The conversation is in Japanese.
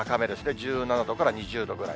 １７度から２０度ぐらい。